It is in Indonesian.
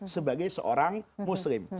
sebagai seorang muslim